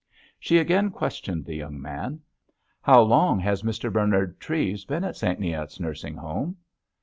She again questioned the young man. "How long has Mr. Bernard Treves been at St. Neot's Nursing Home?"